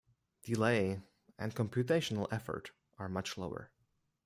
Delay and computational effort are much lower.